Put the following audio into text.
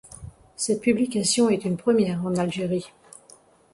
Cette publication est une première en Algérie.